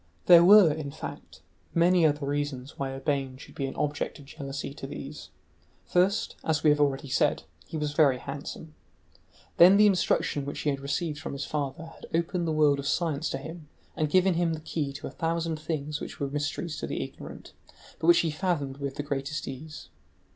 There were, in fact, many other reasons why Urbain should be an object of jealousy to these: first, as we have already said, he was very handsome, then the instruction which he had received from his father had opened the world of science to him and given him the key to a thousand things which were mysteries to the ignorant, but which he fathomed with the greatest ease.